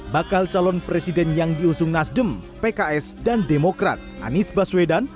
bakal calon presiden yang diusung nasdem pks dan demokrat anies baswedan